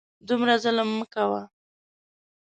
دومره ظلم مه کوه !